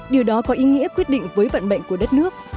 điều đó có ý nghĩa quyết định với vận mệnh của đất nước